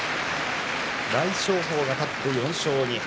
大翔鵬が勝って４勝２敗。